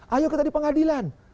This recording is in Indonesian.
ayo kita di pengadilan